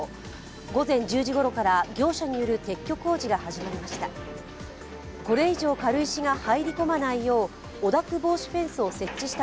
午前１１時ごろから業者による撤去工事が始まりました。